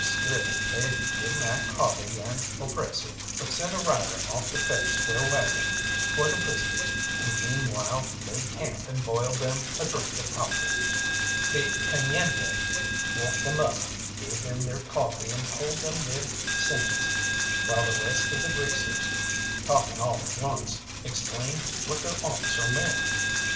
Still, they didn't act haughty and oppressive, but sent a rider off to fetch their waggon for the prisoners, and meanwhile made camp and boiled them a drink of coffee. The teniente woke them up, gave them their coffee and told them their sins, while the rest of the greasers, talking all at once, explained what their officer meant.